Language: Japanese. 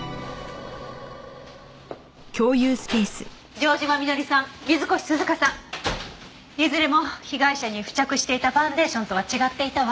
城島美野里さん水越涼香さんいずれも被害者に付着していたファンデーションとは違っていたわ。